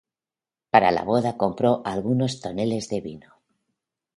Para la boda compró algunos toneles de vino.